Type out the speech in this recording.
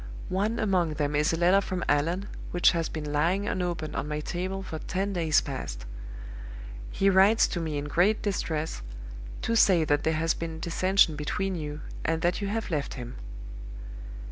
One among them is a letter from Allan, which has been lying unopened on my table for ten days past. He writes to me in great distress, to say that there has been dissension between you, and that you have left him.